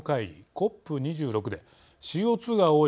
ＣＯＰ２６でＣＯ２が多い